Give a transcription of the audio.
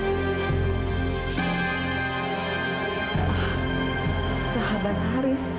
wah sahabat haris